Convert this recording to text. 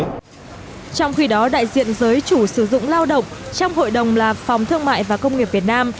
trong khi đó đại diện giới chủ sử dụng lao động trong hội đồng là phòng thương mại và công nghiệp việt nam